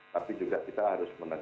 tapi juga kita harus menekan